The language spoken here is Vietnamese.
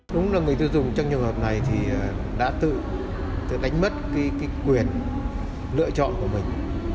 đúng là người tiêu dùng trong trường hợp này đã tự đánh mất quyền lựa chọn của mình